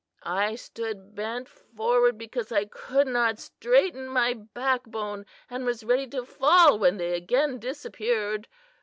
I stood bent forward because I could not straighten my back bone, and was ready to fall when they again disappeared.